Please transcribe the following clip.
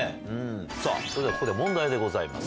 さあ、それではここで問題でございます。